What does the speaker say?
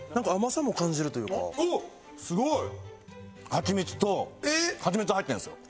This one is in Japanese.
ハチミツとハチミツ入ってるんですよ。